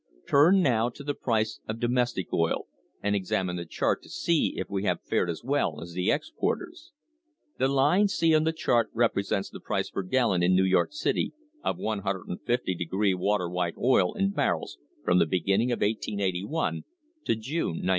Turn now to the price of domestic oil, and examine the chart to see if we have fared as well as the exporters. The line C on the chart represents the price per gallon in New York City of 150 water white oil in barrels from the beginning of 1881 to June, 1904.